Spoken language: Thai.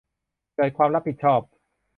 เกิดความรับผิดชอบ